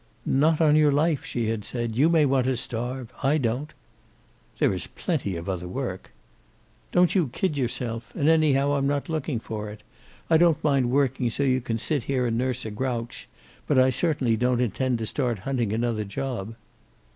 "Not on your life," she had said. "You may want to starve. I don't." "There is plenty of other work." "Don't you kid yourself. And, anyhow, I'm not looking for it. I don't mind working so you can sit here and nurse a grouch, but I certainly don't intend to start hunting another job."